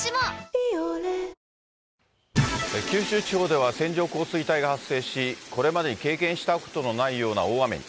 九州地方では線状降水帯が発生し、これまでに経験したことのないような大雨に。